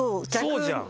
そうじゃん。